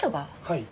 はい。